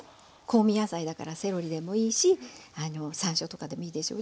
香味野菜だからセロリでもいいし山椒とかでもいいですよ。